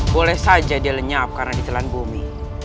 boleh saja dia lenyap karena ditelan bumi